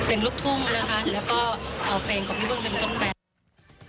ลูกทุ่งนะคะแล้วก็เอาเพลงของพี่เบิ้งเป็นต้นแบบ